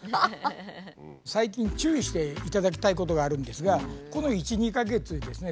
最近注意していただきたいことがあるんですがこの１２か月ですね